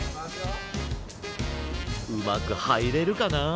うまくはいれるかな？